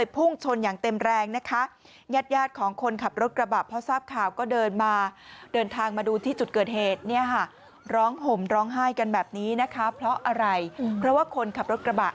เพราะว่าคนขับรถกระบะ